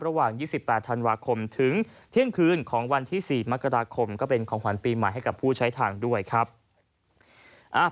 ระหว่าง๒๘ธันวาคมถึงเที่ยงคืนของวันที่๔มกราคมก็เป็นของขวัญปีใหม่ให้กับผู้ใช้ทางด้วยครับ